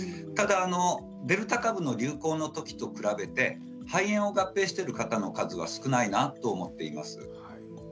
ただデルタ株の流行のときと比べて肺炎を合併している方の数は少ないなと思っています。